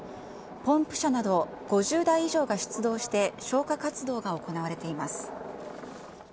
ポンプ車など５０台以上が出動して、消火活動が行われています。